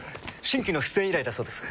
新規の出演依頼だそうです。